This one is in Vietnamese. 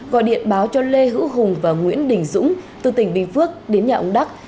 gọi điện báo cho lê hữu hùng và nguyễn đình dũng từ tỉnh bình phước đến nhà ông đắc